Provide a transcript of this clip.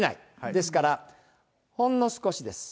ですから、ほんの少しです。